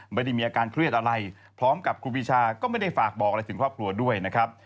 ไม่ได้มีอาการเครียดอะไรพร้อมกับครูปีชาก็ไม่ได้ฝากบอกอะไรถึงครอบครัวด้วยนะครับ